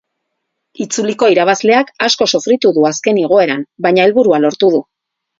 Itzuliko irabazleak asko sofritu du azken igoeran, baina helburua lortu du.